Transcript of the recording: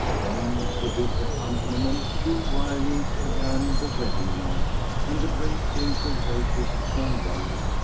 Then to this accompaniment two violins began the wedding march, and the great gate of roses swung wide.